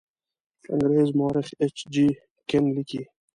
انګریز مورخ ایچ جي کین لیکي.